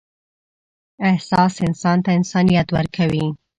احساس انسان ته انسانیت ورکوي.